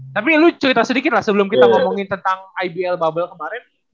tapi lu cerita sedikit lah sebelum kita ngomongin tentang ibl bubble kemarin